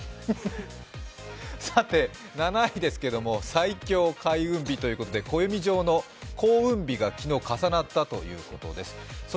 さて７位ですけれども最強開運日ということで暦上の幸運日が昨日重なったということです。